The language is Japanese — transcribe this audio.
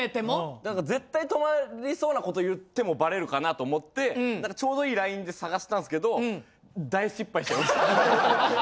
なんか絶対止まりそうなこと言ってもバレるかなと思ってちょうどいいラインで探したんっすけど大失敗でした。